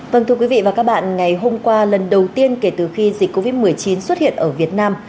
vâng thưa quý vị và các bạn ngày hôm qua lần đầu tiên kể từ khi dịch covid một mươi chín xuất hiện ở việt nam